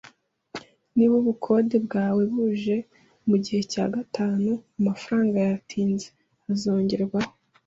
Niba ubukode bwawe buje mugihe cyagatanu, amafaranga yatinze azongerwaho.